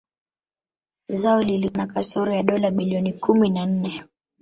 Zao lilikuwa na kasoro ya dola bilioni kumi na nne